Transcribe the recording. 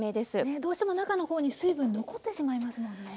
ねえどうしても中の方に水分残ってしまいますものね。